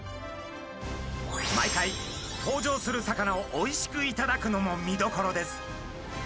毎回、登場する魚をおいしくいただくのも見どころです。